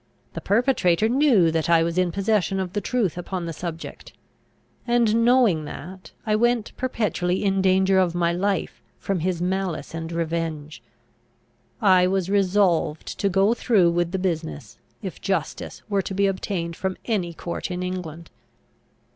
The perpetrator knew that I was in possession of the truth upon the subject; and, knowing that, I went perpetually in danger of my life from his malice and revenge. I was resolved to go through with the business, if justice were to be obtained from any court in England.